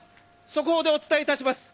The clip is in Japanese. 速報でお伝えいたします。